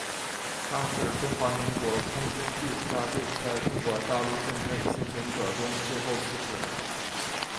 他是中华民国空军第五大队在中国大陆境内幸存者中最后去世的。